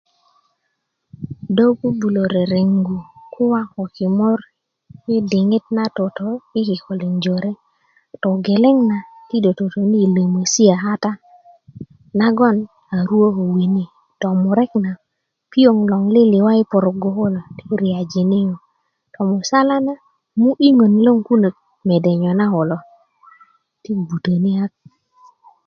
dó bubulä reregu kuwá ko kimur i diŋit na toto i kikolin jore togeleŋ na ti do totoni lemesia kata nagon a ruwä ko wini tomurek na piyoŋ loŋ liliwa i porogo no kulo ti riyajini yu to musala na mudiŋan lo gboŋ konuk i mede nyoga kulo ti gbutani kak